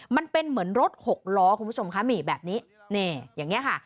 มันเป็นเหมือนรถหกล้อคุณผู้ชมคะนี่แบบนี้นี่อย่างนี้ค่ะ